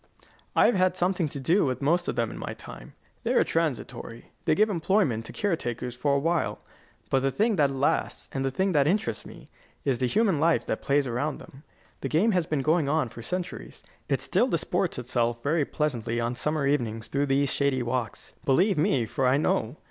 I have had something to do with most of them in my time. They are transitory. They give employment to care takers for a while. But the thing that lasts, and the thing that interests me, is the human life that plays around them. The game has been going on for centuries. It still disports itself very pleasantly on summer evenings through these shady walks. Believe me, for I know.